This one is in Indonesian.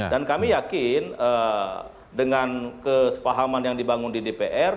dan kami yakin dengan kesepahaman yang dibangun di dpr